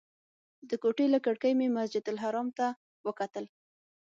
د کوټې له کړکۍ مې مسجدالحرام ته وکتل.